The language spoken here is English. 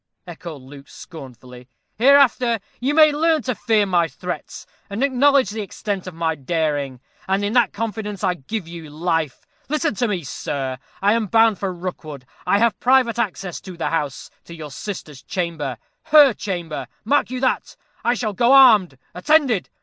echoed Luke, scornfully; "hereafter, you may learn to fear my threats, and acknowledge the extent of my daring; and in that confidence I give you life. Listen to me, sir. I am bound for Rookwood. I have private access to the house to your sister's chamber her chamber mark you that! I shall go armed attended.